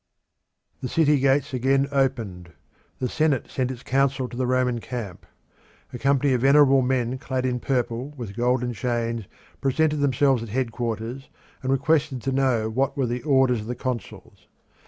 The city gates again opened. The Senate sent its council to the Roman camp. A company of venerable men clad in purple, with golden chains, presented themselves at headquarters and requested to know what were the "orders of the consuls."